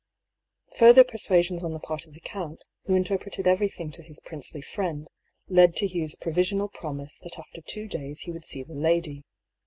Further persuasions on the part of the count, who interpreted everything to his princely friend, led to Hugh's provisional promise that after two days he would see the lady.